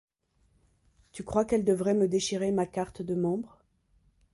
Tu crois qu’elles devraient me déchirer ma carte de membre ?